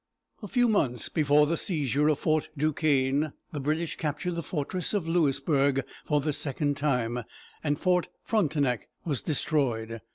A few months before the seizure of Fort Duquesne, the British captured the fortress of Louisburg for the second time, and Fort Frontenac was destroyed.